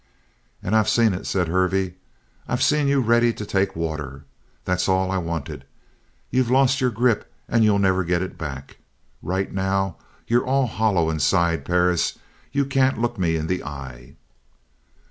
"And I've seen it," said Hervey. "I've seen you ready to take water. That's all I wanted. You've lost your grip and you'll never get it back. Right now you're all hollow inside. Perris, you can't look me in the eye!"